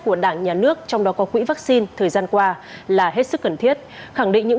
của đảng nhà nước trong đó có quỹ vaccine thời gian qua là hết sức cần thiết khẳng định những